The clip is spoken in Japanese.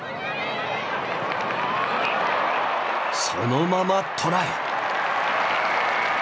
そのままトライ！